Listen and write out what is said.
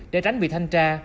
để tránh bị thanh tra